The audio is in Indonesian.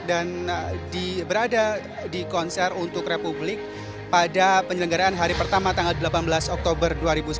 dan berada di konser untuk republik pada penyelenggaraan hari pertama tanggal delapan belas oktober dua ribu sembilan belas